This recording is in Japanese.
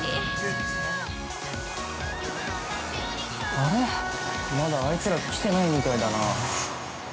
あれっ、まだあいつら来てないみたいだな。